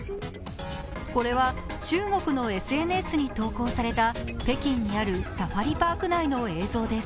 これは中国のＳＮＳに投稿された北京にあるサファリパーク内の映像です。